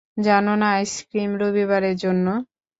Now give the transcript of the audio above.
জানো না আইসক্রিম রবিবারের জন্য।